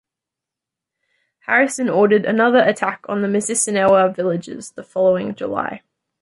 Harrison ordered another attack on the Mississinewa villages the following July.